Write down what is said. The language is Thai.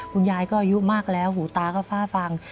คุณยายก็อายุมากแล้วหูตาก็ฟ้าฟัง